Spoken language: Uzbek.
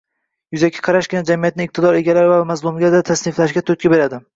Yuzaki qarashgina jamiyatni - iqtidor egalari va mazlumlarga tasniflashga turtki beradi.